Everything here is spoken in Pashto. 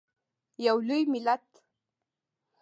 یو لوی ملت.